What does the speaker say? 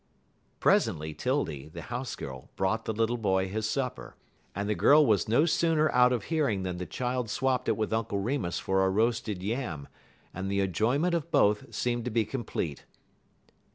Presently 'Tildy, the house girl, brought the little boy his supper, and the girl was no sooner out of hearing than the child swapped it with Uncle Remus for a roasted yam, and the enjoyment of both seemed to be complete.